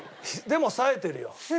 でもさえてるよ。